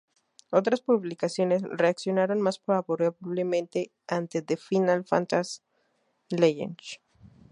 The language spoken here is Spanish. Otras publicaciones reaccionaron más favorablemente ante "The Final Fantasy Legend".